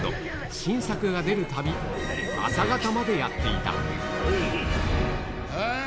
新作が出るたび、朝方までやっていた。